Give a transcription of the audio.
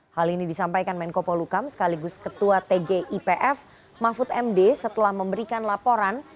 hal ini disampaikan menko polukam sekaligus ketua tgipf mahfud md setelah memberikan laporan